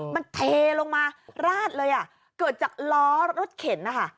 มันเทลงมาราดเลยอ่ะเกิดจากล้อรถเข็นนะคะ